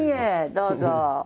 どうぞ。